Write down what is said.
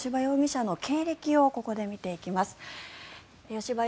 吉羽容疑者の経歴をここで見ていきます。